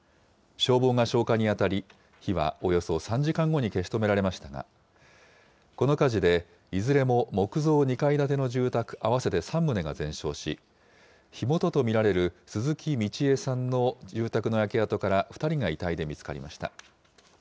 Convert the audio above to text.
消防が消火に当たり、火はおよそ３時間後に消し止められましたが、この火事で、いずれも木造２階建ての住宅合わせて３棟が全焼し、火元と見られる鈴木みちえさんの住宅の焼け跡から２人が遺体で見つかりました。